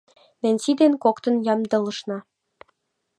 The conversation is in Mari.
Ненси ден коктын ямдылышна.